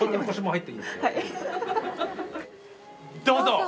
どうぞ！